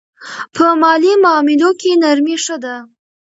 په مالي معاملو کې نرمي ښه ده.